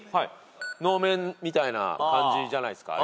能面みたいな感じじゃないですか。